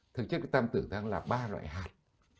thực chất cái tam tử đang là ba loại hạt